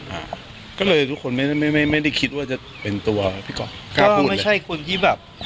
อ่าก็เลยทุกคนไม่ได้ไม่ไม่ไม่ได้คิดว่าจะเป็นตัวพี่ก๊อฟครับก็คือไม่ใช่คนที่แบบ